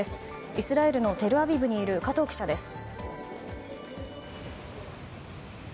イスラエルのテルアビブにいる加藤記者です。